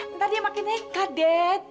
nanti dia makin neka dad